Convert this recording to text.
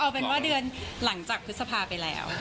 เอาเป็นว่าเดือนหลังจากพฤษภาไปแล้ว